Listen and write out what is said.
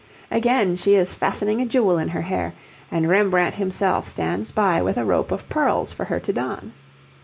Again, she is fastening a jewel in her hair, and Rembrandt himself stands by with a rope of pearls for her to don.